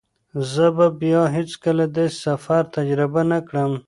زه به بیا هیڅکله داسې سفر تجربه نه کړم.